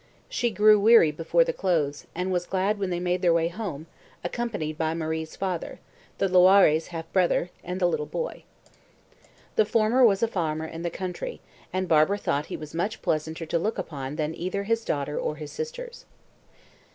She grew weary before the close, and was glad when they made their way home, accompanied by Marie's father the Loirés' half brother and the little boy. The former was a farmer in the country, and Barbara thought he was much pleasanter to look upon than either his daughter or sisters.